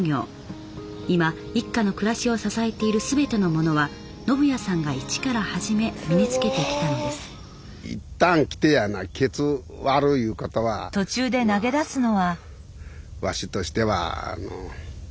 今一家の暮らしを支えている全てのものは信巳さんが一から始め身につけてきたのですうちの